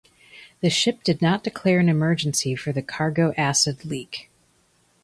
The ship did not declare an emergency for the cargo acid leak.